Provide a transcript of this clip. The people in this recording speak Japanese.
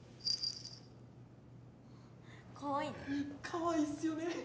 かわいいねかわいいっすよね